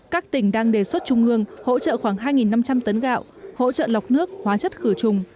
các tỉnh đang đề xuất trung ương hỗ trợ khoảng hai năm trăm linh tấn gạo hỗ trợ lọc nước hóa chất khử trùng